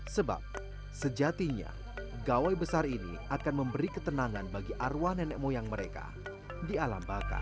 sebab sejatinya gawai besar ini akan memberi ketenangan bagi arwah nenek moyang mereka di alam bakar